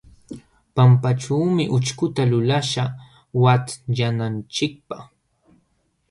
Pampaćhuumi ućhkuta lulaśhaq watyananchikpaq.